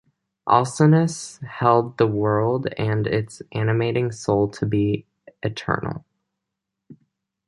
Alcinous held the world and its animating soul to be eternal.